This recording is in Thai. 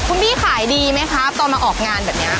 คุณพี่ขายดีไหมคะตอนมาออกงานแบบนี้